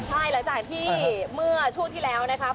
ใช่หลังจากที่เมื่อช่วงที่แล้วนะครับ